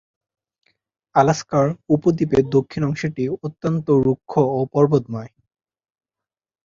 Alaska উপদ্বীপের দক্ষিণ অংশটি অত্যন্ত রুক্ষ ও পর্বতময়।